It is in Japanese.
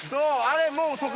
あれもう底？